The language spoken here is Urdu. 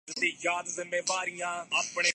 سُنا ہے حشر ہیں اُس کی غزال سی آنکھیں